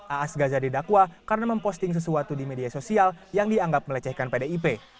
aas gaza didakwa karena memposting sesuatu di media sosial yang dianggap melecehkan pdip